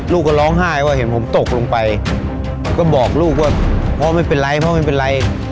ก็ร้องไห้ว่าเห็นผมตกลงไปก็บอกลูกว่าพ่อไม่เป็นไรพ่อไม่เป็นไร